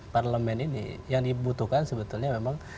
parlemen ini yang dibutuhkan sebetulnya memang